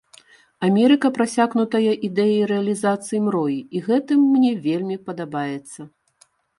Амерыка прасякнутая ідэяй рэалізацыі мроі і гэтым мне вельмі падабаецца.